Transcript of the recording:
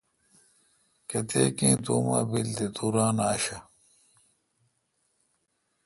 کتیک ایں تو ام بیل تہ تو ران آݭہ۔